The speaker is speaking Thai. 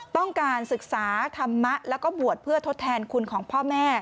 ต้องการศึกษาธรรมะแล้วก็บวชเพื่อทดแทนคุณของพ่อแม่